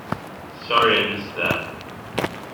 Sorry, I missed that.